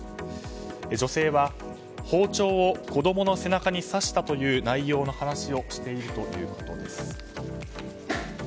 女性は、包丁を子供の背中に刺したという内容の話をしているということです。